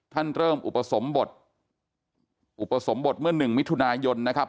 เริ่มอุปสมบทอุปสมบทเมื่อหนึ่งมิถุนายนนะครับ